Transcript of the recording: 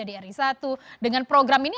dri satu dengan program ini